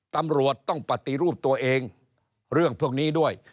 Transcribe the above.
ตำรวจต้องปฏิรูปตัวเองเรื่องพวกนี้ด้วย